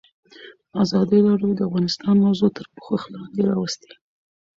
ازادي راډیو د اقتصاد موضوع تر پوښښ لاندې راوستې.